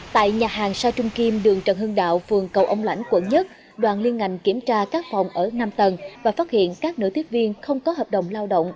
tại nhà hàng sao trung kim đường trần hưng đạo phường cầu ông lãnh quận một đoàn liên ngành kiểm tra các phòng ở năm tầng và phát hiện các nữ tiếp viên không có hợp đồng lao động